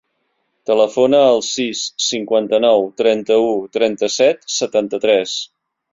Telefona al sis, cinquanta-nou, trenta-u, trenta-set, setanta-tres.